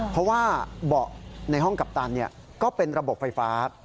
เพราะว่าเบาะในห้องกัปตันก็เป็นระบบไฟฟ้า